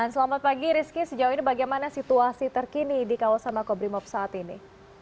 selamat pagi rizky sejauh ini bagaimana situasi terkini di kawasan makobrimob saat ini